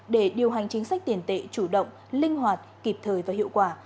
để điều hành chính sách tiền tệ chủ động linh hoạt kịp thời và hiệu quả